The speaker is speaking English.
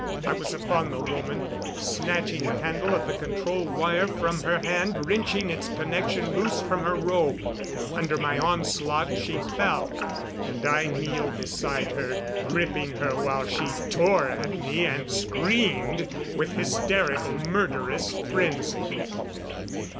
I was upon the woman, snatching the handle of the control wire from her hand, wrenching its connection loose from her robe. Under my onslaught, she fell; and I kneeled beside her, gripping her while she tore at me and screamed with hysterical, murderous frenzy.